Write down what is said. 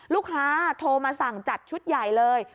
ลูกค้าโทรมาสั่งจัดชุดใหญ่เลย